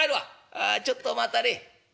「ああちょっと待たれい。